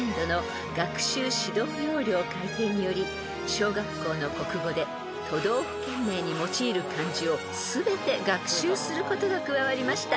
［小学校の国語で都道府県名に用いる漢字を全て学習することが加わりました。